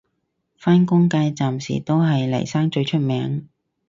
返工界暫時都係嚟生最出名